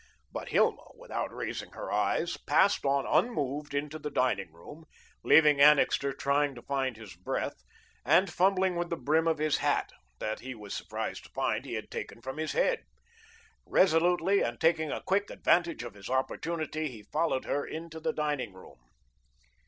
But Hilma, without raising her eyes, passed on unmoved into the dining room, leaving Annixter trying to find his breath, and fumbling with the brim of his hat, that he was surprised to find he had taken from his head. Resolutely, and taking a quick advantage of his opportunity, he followed her into the dining room.